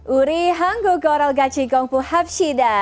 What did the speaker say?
uri hanggu korel gachi gongpu hapshida